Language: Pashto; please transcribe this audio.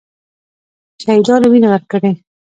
شهیدانو وینه ورکړې.